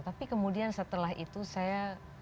tapi kemudian setelah itu saya